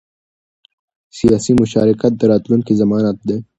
سیاسي مشارکت د راتلونکي ضمانت دی